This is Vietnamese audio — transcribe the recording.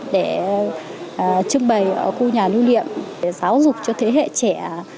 để trưng bày ở khu nhà tiêu niệm giáo dục cho thế hệ trẻ